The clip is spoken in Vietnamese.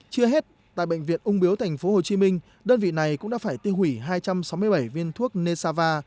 chưa hết tại bệnh viện ung biếu tp hcm đơn vị này cũng đã phải tiêu hủy hai trăm sáu mươi bảy viên thuốc nessava